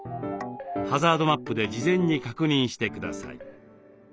ハザードマップで事前に確認して下さい。